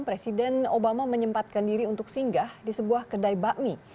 presiden obama menyempatkan diri untuk singgah di sebuah kedai bakmi